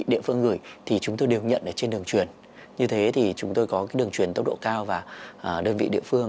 các đơn vị địa phương gửi thì chúng tôi đều nhận ở trên đường truyền như thế thì chúng tôi có cái đường truyền tốc độ cao và đơn vị địa phương